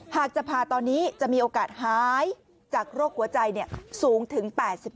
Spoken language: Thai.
หากจะผ่าตอนนี้จะมีโอกาสหายจากโรคหัวใจสูงถึง๘๕